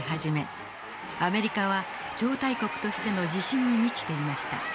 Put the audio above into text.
アメリカは超大国としての自信に満ちていました。